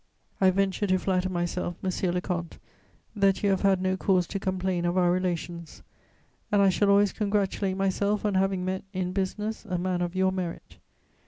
I venture to flatter myself, monsieur le comte, that you have had no cause to complain of our relations; and I shall always congratulate myself on having met in business a man of your merit.